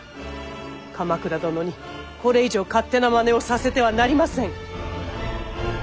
鎌倉殿にこれ以上勝手なまねをさせてはなりません。